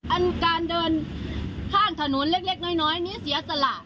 อันการเดินข้างถนนเล็กน้อยนี้เสียสละ